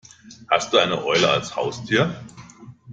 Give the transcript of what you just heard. Hast du eine Eule als Haustier?